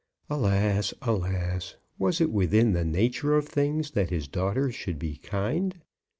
Alas, alas! was it within the nature of things that his daughters should be kind?